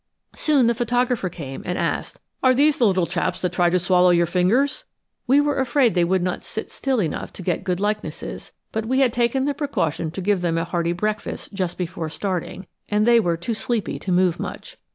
Soon the photographer came, and asked, "Are these the little chaps that try to swallow your fingers?" We were afraid they would not sit still enough to get good likenesses, but we had taken the precaution to give them a hearty breakfast just before starting, and they were too sleepy to move much.